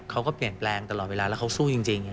เขาก็เปลี่ยนแปลงตลอดเวลาแล้วเขาสู้จริง